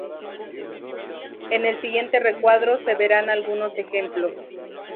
En el siguiente recuadro se verán algunos ejemplos